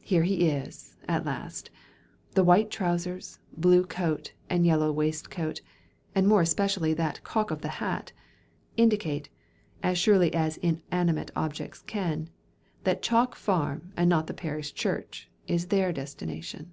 Here he is, at last. The white trousers, blue coat, and yellow waistcoat—and more especially that cock of the hat—indicate, as surely as inanimate objects can, that Chalk Farm and not the parish church, is their destination.